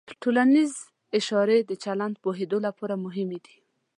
ټولنیز اشارې د چلند پوهېدو لپاره مهمې دي.